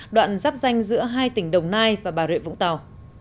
đoạn giáp danh giữa hai tỉnh đồng nai và bà rịa vũng tàu